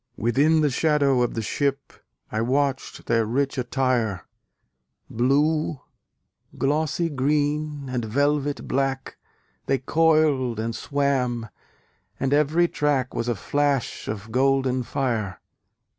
Within the shadow of the ship I watched their rich attire: Blue, glossy green, and velvet black, They coiled and swam; and every track Was a flash of golden fire.